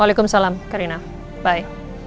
waalaikumsalam karina bye